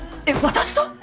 私と！？